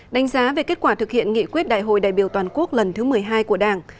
đánh giá về kết quả thực hiện nghị quyết đại hội đại biểu toàn quốc lần thứ một mươi hai của đảng